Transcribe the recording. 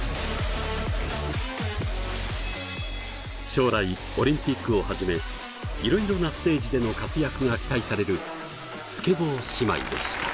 将来オリンピックを始め色々なステージでの活躍が期待されるスケボー姉妹でした。